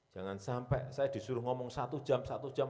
jangan sampai saya disuruh ngomong satu jam satu jam